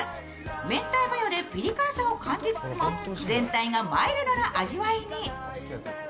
明太マヨでピリ辛さを感じつつも、全体がマイルドな味わいに。